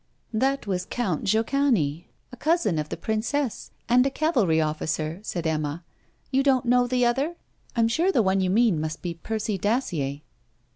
'That was Count Jochany, a cousin of the princess, and a cavalry officer,' said Emma. 'You don't know the other? I am sure the one you mean must be Percy Dacier.'